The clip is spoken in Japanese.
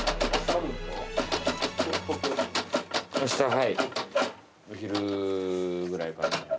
明日はいお昼くらいから。